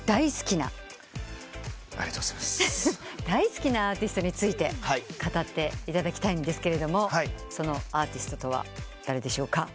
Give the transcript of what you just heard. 大好きなアーティストについて語っていただきたいんですがそのアーティストとは誰でしょうか？